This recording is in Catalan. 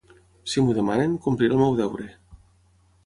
Si m’ho demanen, compliré el meu deure.